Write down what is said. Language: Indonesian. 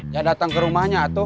ya datang ke rumahnya